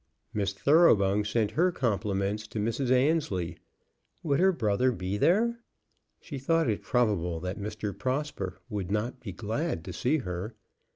Miss Thoroughbung sent her compliments to Mrs. Annesley. Would her brother be there? She thought it probable that Mr. Prosper would not be glad to see her.